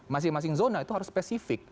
masing masing zona itu harus spesifik